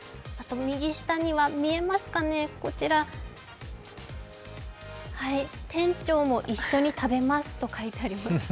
右下には、見えますかね、店長も一緒に食べますと書いてあります。